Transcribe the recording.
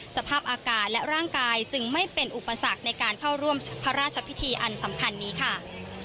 สภาพอาการและร่างกายจึงไม่เป็นอุปสรรคในการเข้าร่วมพระราชพิธีอันสำคัญนี้ค่ะ